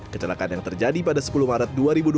kecelakaan yang terjadi pada sepuluh maret dua ribu dua puluh